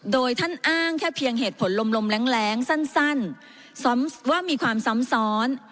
โดยท่านอ้างแค่เพียงเหตุผลลมแรงสั้นว่ามีความซ้ำซ้อน